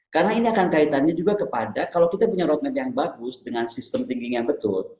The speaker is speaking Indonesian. karena ini akan kaitannya juga kepada kalau kita punya roadmap yang bagus dengan sistem thinking yang betul